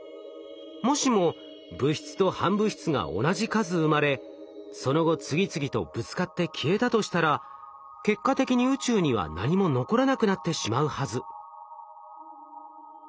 もしも物質と反物質が同じ数生まれその後次々とぶつかって消えたとしたら結果的に宇宙には何も残らなくなってしまうはず。